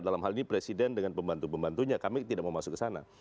dalam hal ini presiden dengan pembantu pembantunya kami tidak mau masuk ke sana